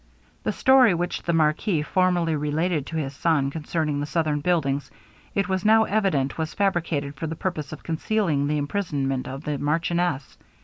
The story which the marquis formerly related to his son, concerning the southern buildings, it was now evident was fabricated for the purpose of concealing the imprisonment of the marchioness.